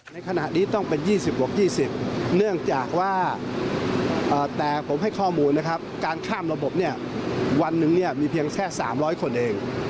ในขณะนี้ต้องเป็น๒๖๒๐เนื่องจากว่าแต่ผมให้ข้อมูลนะครับการข้ามระบบเนี่ยวันหนึ่งเนี่ยมีเพียงแค่๓๐๐คนเอง